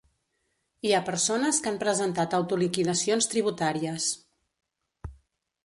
Hi ha persones que han presentat autoliquidacions tributàries.